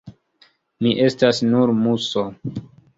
Mi estas nur muso.